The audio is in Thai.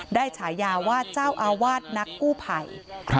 ได้ฉายาวาดเจ้าอาวาสนักกู้ไพร